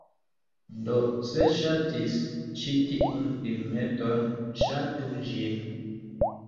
Do, se ŝatis ĉi tiun filmeton, ŝatu ĝin!